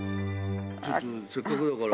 ちょっとせっかくだから。